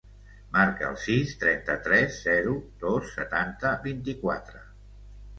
Marca el sis, trenta-tres, zero, dos, setanta, vint-i-quatre.